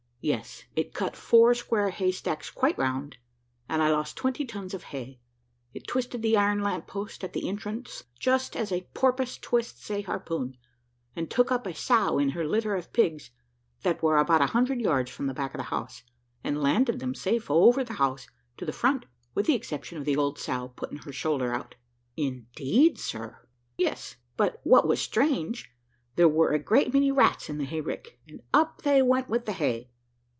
"Yes, it cut four square haystacks quite round, and I lost twenty tons of hay; it twisted the iron lamppost at the entrance just as a porpoise twists a harpoon, and took up a sow and her litter of pigs that were about a hundred yards from the back of the house, and landed them safe over the house, to the front, with the exception of the old sow putting her shoulder out." "Indeed, sir." "Yes, but what was strange, there were a great many rats in the hayrick, and up they went with the hay.